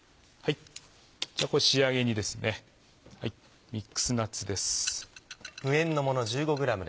仕上げにミックスナッツです。